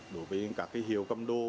đối với các cái hiệu cầm đồ